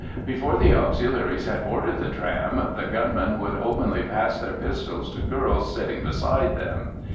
Before the Auxiliaries had boarded the tram, the gunmen would openly pass their pistols to girls sitting beside them.